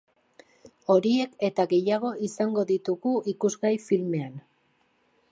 Horiek eta gehiago izango ditugu ikusgai filmean.